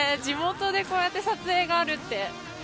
地元でこうやって撮影があるって。